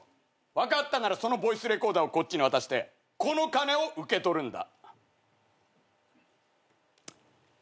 分かったならそのボイスレコーダーをこっちに渡してこの金を受け取るんだ。